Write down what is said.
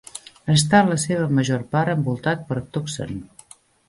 Està en la seva major part envoltat per Tucson.